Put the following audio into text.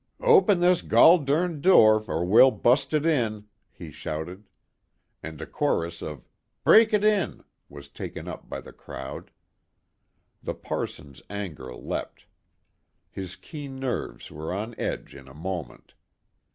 "Open this gorl durned door, or we'll bust it in!" he shouted. And a chorus of "Break it in!" was taken up by the crowd. The parson's anger leapt. His keen nerves were on edge in a moment.